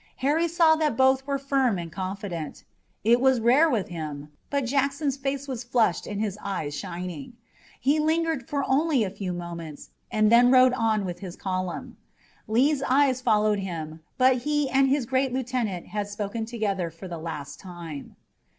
Harry saw that both were firm and confident. It was rare with him, but Jackson's face was flushed and his eyes shining. He lingered for only a few moments, and then rode on with his column. Lee's eyes followed him, but he and his great lieutenant had spoken together for the last time.